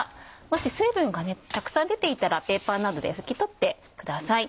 もし水分がたくさん出ていたらペーパーなどで拭き取ってください。